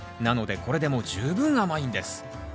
なのでこれでも十分甘いんです。